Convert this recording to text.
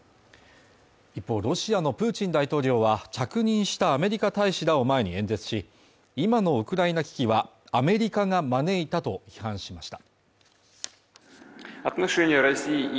一方ロシアのプーチン大統領は着任したアメリカ大使らを前に演説し、今のウクライナ危機は、アメリカが招いたと批判しました。